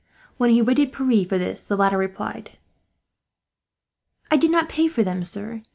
When he rated Pierre for this, the latter replied: "I did not pay for them, sir.